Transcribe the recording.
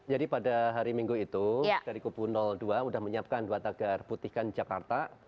jadi pada hari minggu itu dari kubu dua sudah menyiapkan dua tagar putihkan jakarta